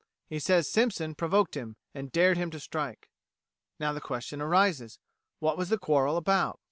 He says Simpson provoked him and dared him to strike." Now the question arises: What was the quarrel about?